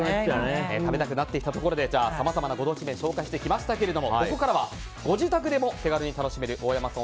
食べたくなってきたところでさまざまなご当地麺を紹介していきましたがここからはご自宅でも手軽に楽しめる大山さん